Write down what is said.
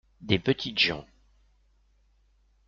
Des petites gens.